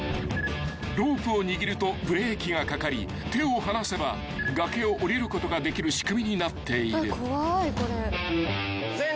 ［ロープを握るとブレーキがかかり手を離せば崖をおりることができる仕組みになっている］